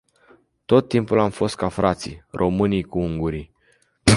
Tot timpul am fost ca frații, românii cu ungurii.